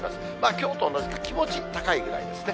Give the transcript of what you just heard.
きょうと同じか、気持ち高いぐらいですね。